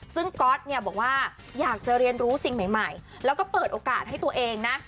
ซึ่งก๊อตเนี่ยบอกว่าอยากจะเรียนรู้สิ่งใหม่แล้วก็เปิดโอกาสให้ตัวเองนะ